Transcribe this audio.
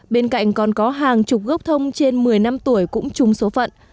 bên cạnh còn có hàng chục gốc thông trên một mươi năm tuổi cũng chung số phận